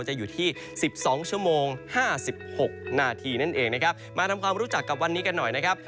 จะอยู่ที่๑๒๕๖นนั่นเองนะครับมาทำความรู้จักกับวันนี้กันหน่อยนะครับ